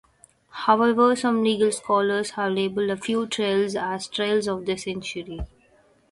However, some legal scholars have labeled a few trials as "trials of the century".